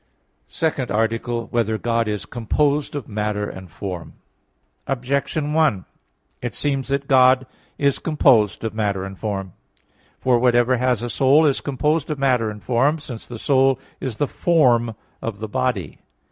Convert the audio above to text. _______________________ SECOND ARTICLE [I, Q. 3, Art. 2] Whether God Is Composed of Matter and Form? Objection 1: It seems that God is composed of matter and form. For whatever has a soul is composed of matter and form; since the soul is the form of the body.